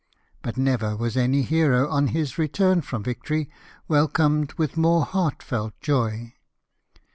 But never was any hero, on his return from victory, welcomed with more heart felt joy.